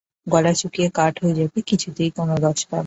গলা শুকিয়ে কাঠ হয়ে যাবে, কিছুতেই কোনো রস পাবে না।